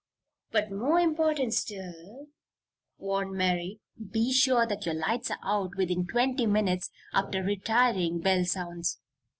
"But more important still," warned Mary, "be sure that your lights are out within twenty minutes after retiring bell sounds.